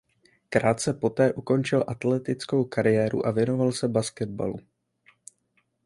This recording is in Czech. Krátce poté ukončil atletickou kariéru a věnoval se basketbalu.